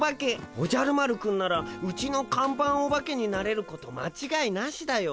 おじゃる丸くんならうちの看板オバケになれることまちがいなしだよ。